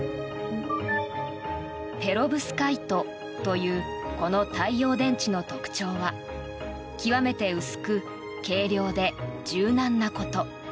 ペロブスカイトというこの太陽電池の特徴は極めて薄く軽量で柔軟なこと。